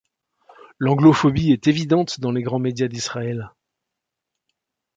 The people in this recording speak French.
L'anglophobie est évidente dans les grands médias d'Israël.